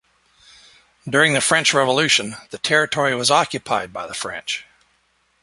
During the French Revolution, the territory was occupied by the French.